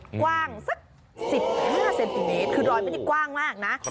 กว้างสัก๑๕เซนติเมตรคือรอยไม่ได้กว้างมากนะ